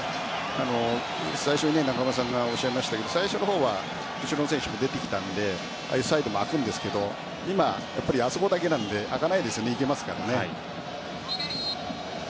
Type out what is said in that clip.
最初に中村さんがおっしゃいましたが最初のほうは後ろの選手も出てきたのでサイドも空きますが今はあそこだけなので空かないですよね。